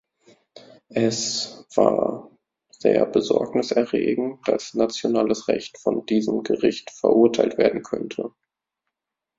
Es war sehr besorgniserregend, dass nationales Recht von diesem Gericht verurteilt werden könnte.